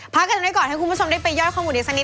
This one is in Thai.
พักกันไว้ก่อนให้คุณผู้ชมได้ไปย่อยข้อมูลอีกสักนิด